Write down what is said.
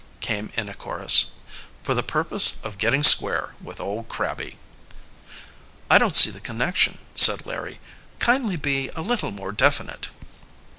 came in a chorus. "For the purpose of getting square with old Crabby." "I don't see the connection," said Larry. "Kindly be a little more definite."